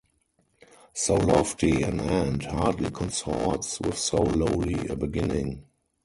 So lofty an end hardly consorts with so lowly a beginning.